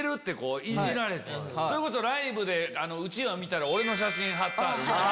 ライブでうちわ見たら俺の写真貼ってあるみたいな。